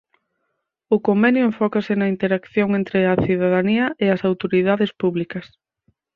O convenio enfócase na interacción entre a cidadanía e as autoridades públicas.